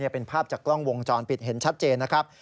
เป็นภาพจากกล้องวงจรปิดเห็นชัดเจนนะครับ